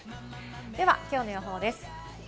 では今日の予報です。